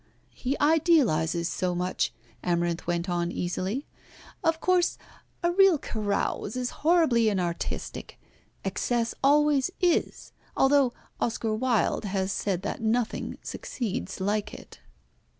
"He idealises so much," Amarinth went on easily. "Of course a real carouse is horribly inartistic. Excess always is, although Oscar Wilde has said that nothing succeeds like it."